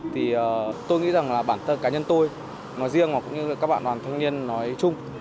thì tôi nghĩ rằng là bản thân cá nhân tôi nói riêng và cũng như các bạn đoàn thanh niên nói chung